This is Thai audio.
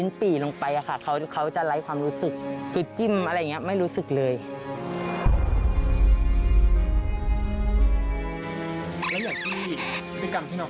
มีกรรมที่น้องเขาอุดหูคืออยู่ที่นี้ครับมันเกิดอะไร